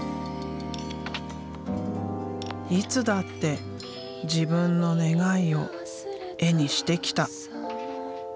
いつだって自分の願いを絵にしてきた。